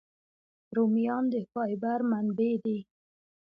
رومیان د فایبر منبع دي